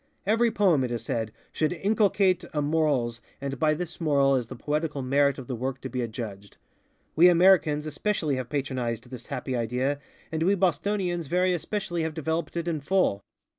Every poem, it is said, should inculcate a morals and by this moral is the poetical merit of the work to be adjudged. We Americans especially have patronized this happy idea, and we Bostonians very especially have developed it in full.